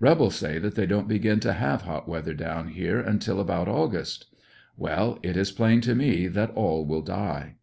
Rebels say that they don't begin to have hot weather down here until about August. Well, it is plain to me that all will die.